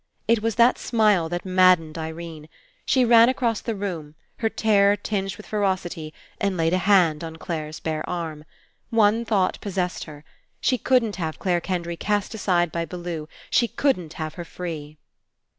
It was that smile that maddened Irene. She ran across the room, her terror tinged with ferocity, and laid a hand on Clare's bare arm. One thought possessed her. She couldn't have Clare Kendry cast aside by Bellew. She couldn't have her free.